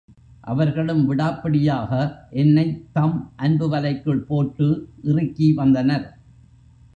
அவர்களும் விடாப்பிடியாக என்னைத் தம் அன்பு வலைக்குள் போட்டு இறுக்கி வந்தனர்.